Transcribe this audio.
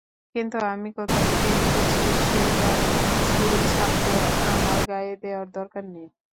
কিন্তু আমি কোথা থেকে এসেছি, সেটার সিলছাপ্পর আমার গায়ে দেওয়ার দরকার নেই।